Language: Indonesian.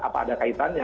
apa ada kaitannya